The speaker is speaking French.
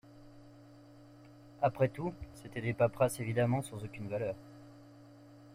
Après tout, c’étaient des paperasses évidemment sans aucune valeur.